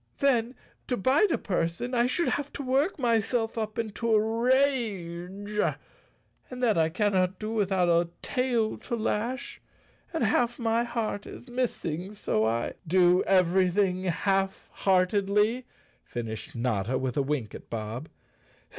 Then, to bite a person I should have to work myself up into a rage, and that I cannot do without a tail to lash. And half my heart is missing so I—" "Do everything half heartedly," finished Notta, with a wink at Bob.